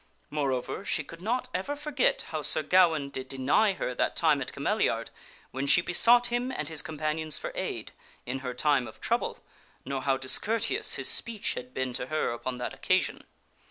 Moreover, she could not ever forget how Sir Gawaine did deny her that time at Cameliard when she besought him and his compan ions for aid, in her time of trouble, nor how discourteous his speech had been to her upon that occasion.